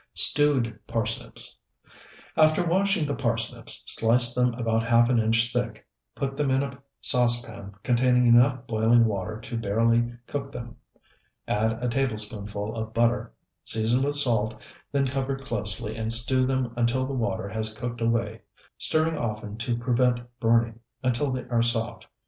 STEWED PARSNIPS After washing the parsnips, slice them about half an inch thick; put them in a saucepan containing enough boiling water to barely cook them; add a tablespoonful of butter, season with salt, then cover closely and stew them until the water has cooked away, stirring often to prevent burning, until they are soft.